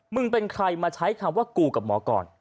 เป็นใครมาใช้คำว่ากูกับหมอก่อน